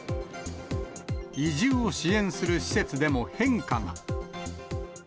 移住を支援する施設でも変化が。